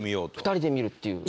２人で見るっていう。